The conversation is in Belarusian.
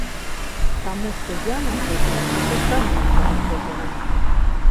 Таму што я, напрыклад, ужо стаміўся ад гэтага.